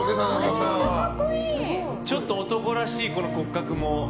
ちょっと男らしい骨格も。